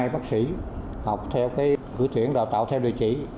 hai bác sĩ học theo cửa tuyển đào tạo theo địa chỉ